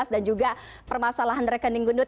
dan juga permasalahan rekening gendut